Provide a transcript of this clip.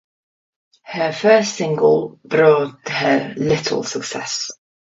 Her first singles brought her little success.